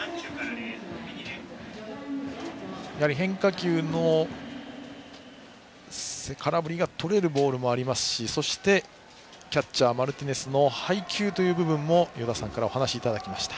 やはり変化球に空振りがとれるボールもありますしそして、キャッチャーマルティネスの配球という部分も与田さんからお話いただきました。